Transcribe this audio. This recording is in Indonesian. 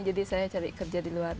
jadi saya cari kerja di luar